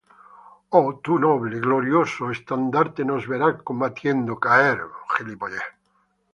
o tu noble, glorioso estandarte nos verá combatiendo, caer.